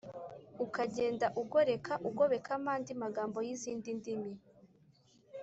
ukagenda ugoreka, ugobekamo andi magambo y’izindi ndimi.